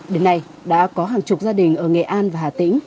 đến nay đã có hàng chục gia đình ở nghệ an và hà tĩnh